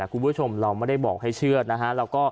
คุณผู้ชมเราไม่ได้บอกให้เชื่อนะฮะ